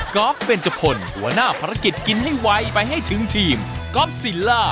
อล์ฟเบนจพลหัวหน้าภารกิจกินให้ไวไปให้ถึงทีมก๊อฟซิลล่า